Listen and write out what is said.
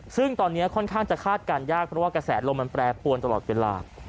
ซึ่งตอนนี้ค่อนข้างจะคาดการณ์ยากเพราะว่ากระแสลมมันแปรปวนตลอดเวลา